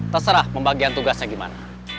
terserah pembagian tugasnya gimana